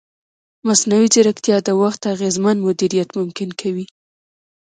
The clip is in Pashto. مصنوعي ځیرکتیا د وخت اغېزمن مدیریت ممکن کوي.